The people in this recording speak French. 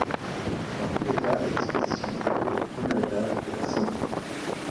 Dans tous les cas, la disposition autour du premier étage est asymétrique.